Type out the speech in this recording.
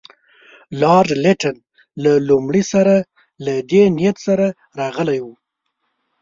لارډ لیټن له لومړي سره له دې نیت سره راغلی وو.